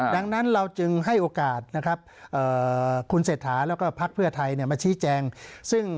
ดังนั้นเราจึงให้โอกาสคุณเศรษฐาและภาคเพื่อไทยมาชี้แจง